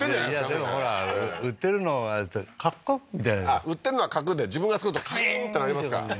でもほら売ってるのはカクッみたいなあっ売ってるのはカクッで自分が作るとカキーンってなりますか？